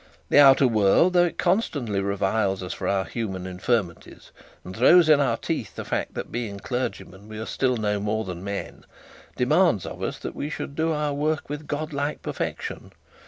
The outer world, though it constantly reviles us for our human infirmities, and throws in our teeth the fact that being clergymen we are still no more then men, demands of us that we should do our work with godlike perfection.